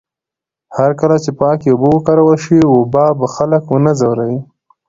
هرکله چې پاکې اوبه وکارول شي، وبا به خلک ونه ځوروي.